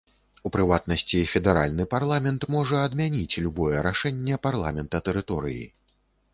У прыватнасці, федэральны парламент можа адмяніць любое рашэнне парламента тэрыторыі.